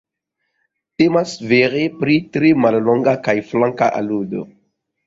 Temas vere pri tre mallonga kaj flanka aludo.